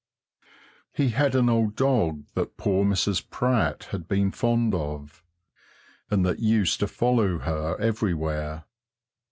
He had an old dog that poor Mrs. Pratt had been fond of, and that used to follow her everywhere.